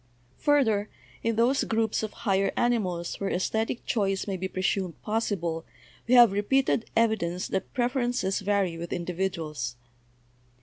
Further, in those groups of higher animals where esthetic choice may be presumed possible we have repeated evidence that prefer ences vary with individuals.